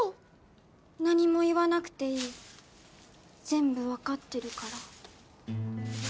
「何も言わなくていい全部わかってるから」